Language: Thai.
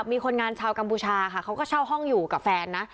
มีคนงานชาวกัมพูชาค่ะเขาก็เช่าห้องอยู่กับแฟนนะ